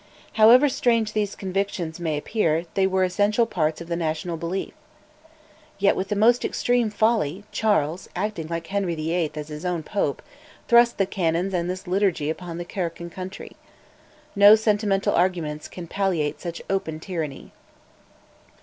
However strange these convictions may appear, they were essential parts of the national belief. Yet, with the most extreme folly, Charles, acting like Henry VIII. as his own Pope, thrust the canons and this Liturgy upon the Kirk and country. No sentimental arguments can palliate such open tyranny.